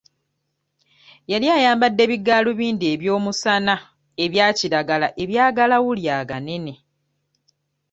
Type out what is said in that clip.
Yali ayambadde bigaalubindi eby'omusana ebya kiragala eby'agalawuli aganene.